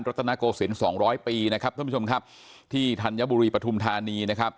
รัฐานโกศิญภ์สองร้อยปีที่ธัญบุรีปทุมธานี